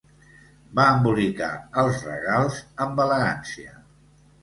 Va embolicar els regals amb elegància.